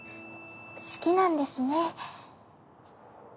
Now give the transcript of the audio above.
好きなんですね。